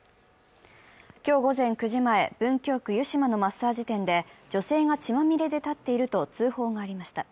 今日午前９時前、文京区湯島のマッサージ店で女性が血まみれで立っていると通報がありました。